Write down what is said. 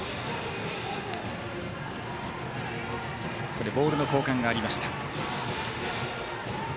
ここでボールの交換がありました。